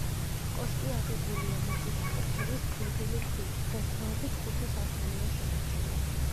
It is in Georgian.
კოშკი აგებულია მოწითალო ფერის ფლეთილი ქვით, დღეს-დღეობით ხუთი სართულია შემორჩენილი.